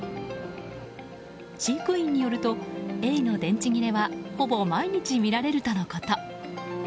飼育員によるとエイの電池切れはほぼ毎日見られるとのこと。